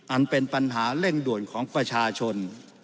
อันเป็นปัญหาเร่งด่วนของประชาชน